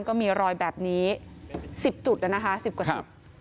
ก็มีรอยแบบนี้๑๐จุดนะคะ๑๐กว่าจุด